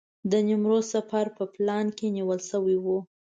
د نیمروز سفر په پلان کې نیول شوی و.